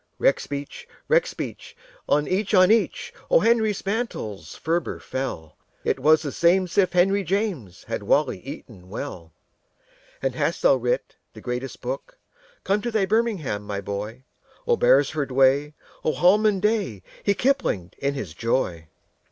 Rexbeach! rexbeach! and each on each O. Henry's mantles ferber fell. It was the same'sif henryjames Had wally eaton well. "And hast thou writ the greatest book? Come to thy birmingham, my boy! Oh, beresford way! Oh, holman day!" He kiplinged in his joy.